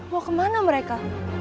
mau kemana mereka